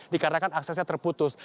dikarenakan aksesnya terputus